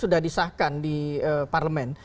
sudah disahkan di parlemen